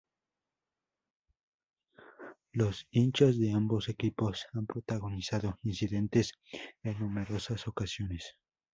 Los hinchas de ambos equipos han protagonizado incidentes en numerosas ocasiones.